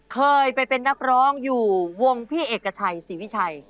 เคยไปเป็นนักร้องอยู่วงพี่เอกชัยศรีวิชัย